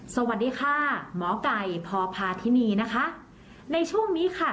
สวัสดีค่ะหมอไก่พพาธินีนะคะในช่วงนี้ค่ะ